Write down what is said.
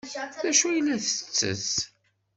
D acu ay la tettess?